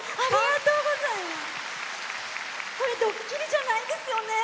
これドッキリじゃないですよね？